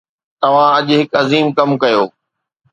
توهان اڄ هڪ عظيم ڪم ڪيو